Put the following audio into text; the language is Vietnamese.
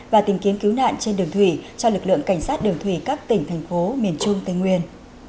và tìm kiếm cứu nạn trên đường thủy cho lực lượng cảnh sát đường thủy các tỉnh thành phố miền trung tây nguyên